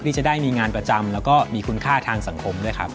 จะได้มีงานประจำแล้วก็มีคุณค่าทางสังคมด้วยครับ